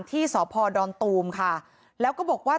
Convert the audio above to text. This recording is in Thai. ที่สพดอนตูมค่ะแล้วก็บอกว่า